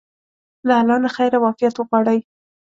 له الله نه خير او عافيت وغواړئ.